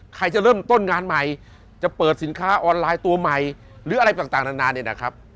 ใครจะเริ่มต้นงานใหม่จะเปิดสินค้าออนไลน์ตัวใหม่หรืออะไรต่างนานาเนี่ยนะครับ